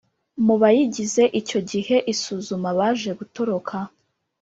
mu bayigize Icyo gihe isuzuma baje gutoroka.